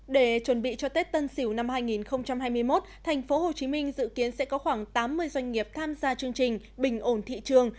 để chuẩn bị cho tết tân sỉu năm hai nghìn hai mươi một thành phố hồ chí minh dự kiến sẽ có khoảng tám mươi doanh nghiệp tham gia chương trình bình ổn thị trường